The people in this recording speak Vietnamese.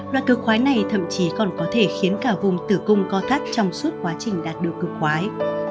loại cực quái này thậm chí còn có thể khiến cả vùng tử cung co thắt trong suốt quá trình đạt được cực quái